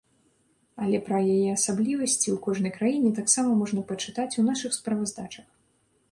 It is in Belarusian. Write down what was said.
Але пра яе асаблівасці ў кожнай краіне таксама можна пачытаць у нашых справаздачах.